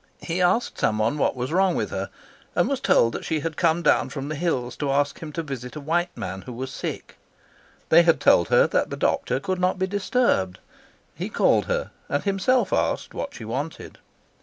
He asked someone what was wrong with her, and was told that she had come down from the hills to ask him to visit a white man who was sick. They had told her that the doctor could not be disturbed. He called her, and himself asked what she wanted.